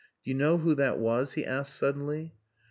"Do you know who that was?" he asked suddenly.